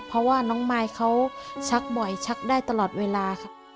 เพราะว่าน้องมายเขาชักบ่อยชักได้ตลอดเวลาค่ะ